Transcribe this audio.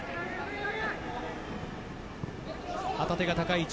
旗手が高い位置。